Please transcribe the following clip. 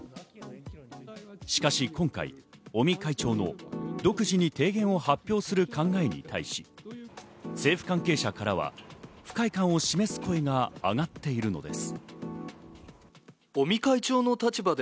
しかし今回、尾身会長の独自に提言を発表する考えに対し、政府関係者からは不快感を示す声が上がっているのです。